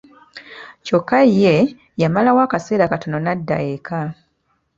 Kyokka ye yamalawo akaseera katono n'adda eka.